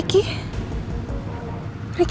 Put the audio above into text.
dan juga subscribe kita